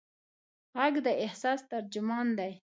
غږ د احساس ترجمان دی.